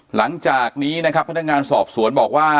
หลังจากนี้นะครับพนักงานสอบสวนบอกว่า